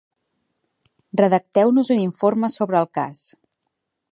Redacteu-nos un informe sobre el cas.